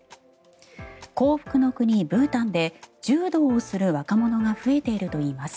幸福の国ブータンで柔道をする若者が増えているといいます。